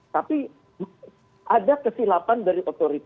tapi ada kesilapan dari otoritas